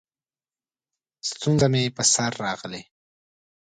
ستونزه مې په سر راغلې؛